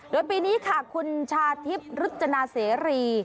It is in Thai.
โดยปีนี้ค่ะคุณชาทิพย์รุจนาเสรี